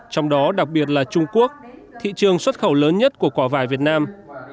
trong đó đặc biệt là trung quốc thị trường xuất khẩu lớn nhất của quả vải việt nam